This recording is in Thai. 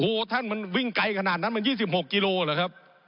ผมอภิปรายเรื่องการขยายสมภาษณ์รถไฟฟ้าสายสีเขียวนะครับ